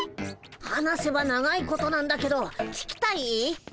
話せば長いことなんだけど聞きたい？